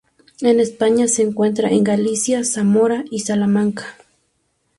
En España se encuentra en Galicia, Zamora y Salamanca.